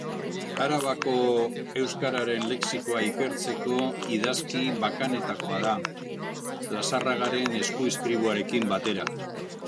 Arabako euskararen lexikoa ikertzeko idazki bakanetakoa da, Lazarragaren eskuizkribuarekin batera.